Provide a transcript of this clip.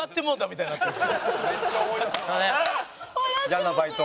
嫌なバイト。